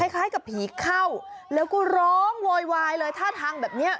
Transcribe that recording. คล้ายกับผีเข้าแล้วก็ร้องโวยวายเลยท่าทางแบบนี้